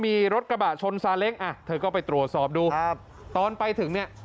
มีรถกระบะชนซาเล้งอ่ะเธอก็ไปตรวจสอบดูครับตอนไปถึงเนี่ย